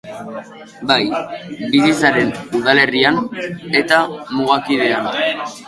Bai, bizi zaren udalerrian eta mugakidean.